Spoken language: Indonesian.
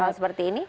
kalau seperti ini